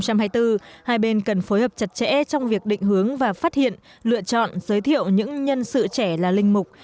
hai bên cần phối hợp chặt chẽ trong việc định hướng và phát hiện lựa chọn giới thiệu những nhân sự trẻ là linh mục